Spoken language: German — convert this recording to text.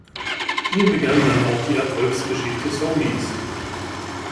Hier begann dann auch die Erfolgsgeschichte Sonys.